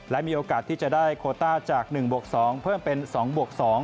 และมีโอกาสที่จะได้โคต้าจาก๑บวก๒เพิ่มเป็น๒บวก๒